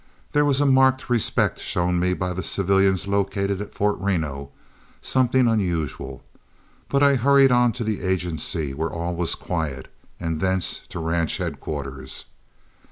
There was a marked respect shown me by the civilians located at Fort Reno, something unusual; but I hurried on to the agency, where all was quiet, and thence to ranch headquarters.